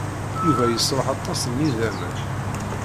Yuba yesṛuḥ aṭas n yidammen.